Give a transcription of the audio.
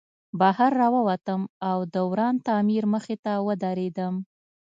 بهر راووتم او د وران تعمیر مخې ته ودرېدم